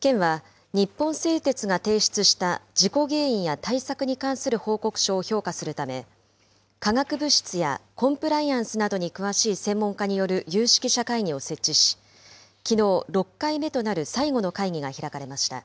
県は、日本製鉄が提出した事故原因や対策に関する報告書を評価するため、化学物質やコンプライアンスなどに詳しい専門家による有識者会議を設置し、きのう、６回目となる最後の会議が開かれました。